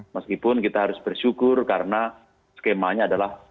meskipun kita harus bersyukur karena skemanya adalah